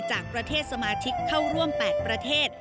จากประเทศสมาชิกเข้าร่วม๘ประเทศ